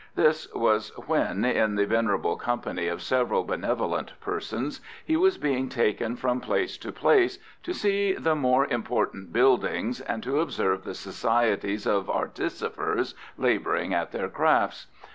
This was when, in the venerable company of several benevolent persons, he was being taken from place to place to see the more important buildings, and to observe the societies of artificers labouring at their crafts.